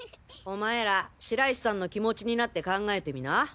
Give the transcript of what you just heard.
お前ら白石さんの気持ちになって考えてみな。